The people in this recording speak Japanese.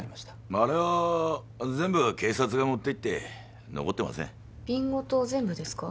あれは全部警察が持っていって残ってません瓶ごと全部ですか？